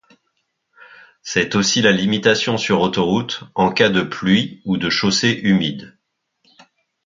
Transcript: C'est aussi la limitation sur autoroute en cas de pluie ou de chaussée humide.